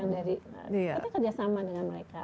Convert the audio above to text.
kita kerjasama dengan mereka